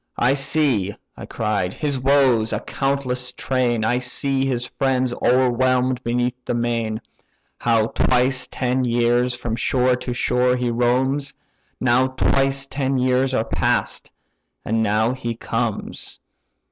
I see (I cried) his woes, a countless train; I see his friends o'erwhelm'd beneath the main; How twice ten years from shore to shore he roams: Now twice ten years are past, and now he comes!"